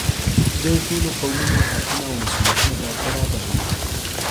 د ټولو قومونو حقونه او مسؤلیتونه باید برابر وي.